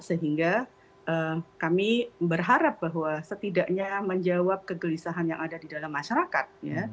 sehingga kami berharap bahwa setidaknya menjawab kegelisahan yang ada di dalam masyarakat